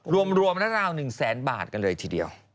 รวมราวหนึ่งแสนบาทกันเลยทีเดียว